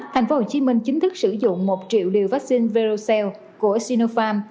tp hcm chính thức sử dụng một triệu liều vaccine verocel của sinopharm